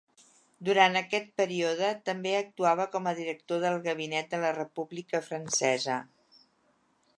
Durant aquest període també actuava com a director del gabinet de la República Francesa.